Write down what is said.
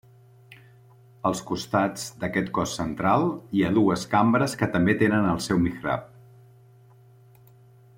Als costats d'aquest cos central hi ha dues cambres que també tenen el seu mihrab.